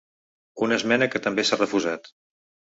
Una esmena que també s’ha refusat.